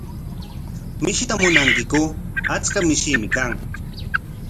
¿Mishita munankiku? Achka mishiimi kan.